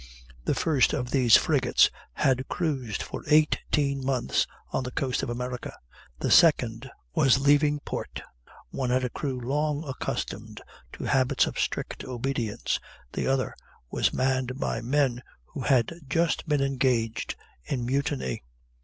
The first of these frigates had cruised for eighteen months on the coast of America; the second was leaving port. One had a crew long accustomed to habits of strict obedience; the other was manned by men who had just been engaged in mutiny.